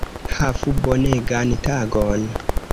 Havu bonegan tagon